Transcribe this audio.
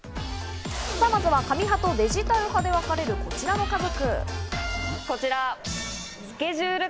さあ、まずは紙派とデジタル派で分かれるこちらの家族。